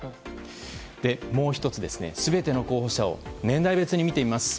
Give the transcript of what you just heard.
もう１つ、全ての候補者を年代別に見てみます。